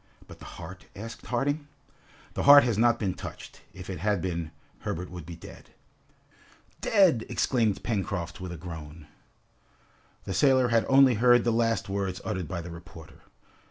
"But the heart?" asked Harding. "The heart has not been touched; if it had been, Herbert would be dead!" "Dead!" exclaimed Pencroft, with a groan. The sailor had only heard the last words uttered by the reporter.